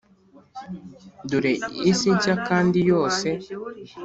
dore 'isi nshya-kandi-yose?'